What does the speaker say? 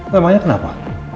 loh emangnya kenapa